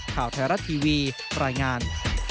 ข่าวไทยรัฐทีวีรายงาน